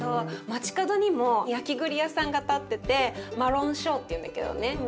街角にも焼きぐり屋さんが立っててマロンショーっていうんだけどね。